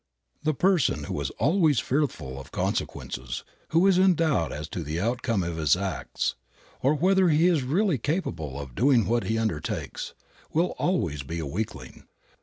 The person who is always fearful of consequences, who is in doubt as to the outcome of his acts, or whether he is really capable of doing what he undertakes, will always be a weakling.